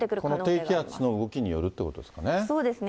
この低気圧の動きによるということですかね。